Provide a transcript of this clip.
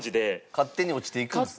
勝手に落ちていくんですね。